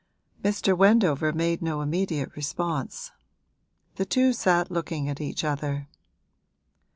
Mr. Wendover made no immediate response: the two sat looking at each other.